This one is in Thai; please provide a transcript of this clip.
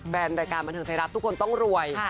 แฟนรายการบันเทิงไทยรัฐทุกคนต้องรวย